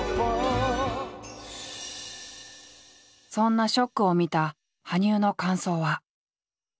そんな「ＳＨＯＣＫ」を見た羽生の感想は。